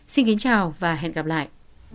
xin kính chào và hẹn gặp lại